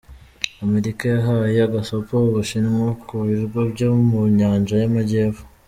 Amerika yahaye gasopo u Bushinwa ku birwa byo mu nyanja y’amajyepfo.